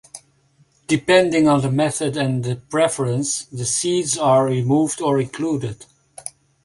Depending on the method and the preference, the seeds are removed or included.